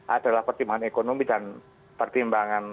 adalah pertimbangan ekonomi dan pertimbangan